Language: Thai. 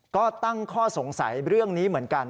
ก็ตั้งข้อสงสัยเรื่องนี้เหมือนกัน